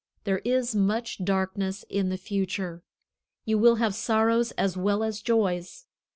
There is much darkness in the future. You will have sorrows as well as joys.